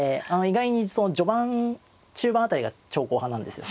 意外に序盤中盤辺りが長考派なんです。